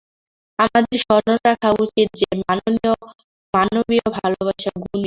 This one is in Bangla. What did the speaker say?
আমাদের স্মরণ রাখা উচিত যে, মানবীয় ভালবাসা গুণ-মিশ্রিত।